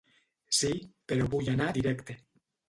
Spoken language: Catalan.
Sí, però vull anar directe.